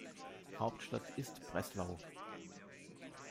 Hauptstadt ist Breslau.